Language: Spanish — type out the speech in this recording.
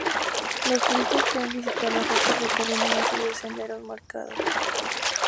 Los turistas pueden visitar las rocas recorriendo una serie de senderos marcados.